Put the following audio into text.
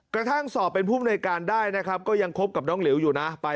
กระทั่งสอบเป็นผู้มนุยการได้นะครับก็ยังคบกับน้องหลิวอยู่นะ